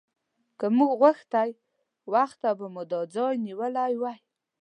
که موږ غوښتی وخته به مو دا ځای نیولی و.